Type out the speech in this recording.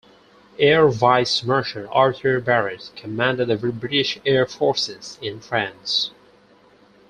Air Vice-Marshal Arthur Barratt commanded the British Air Forces in France.